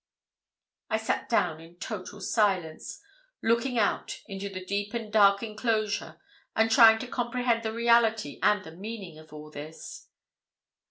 I sat down in total silence, looking out into the deep and dark enclosure, and trying to comprehend the reality and the meaning of all this.